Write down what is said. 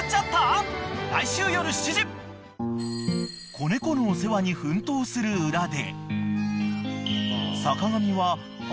［子猫のお世話に奮闘する裏で］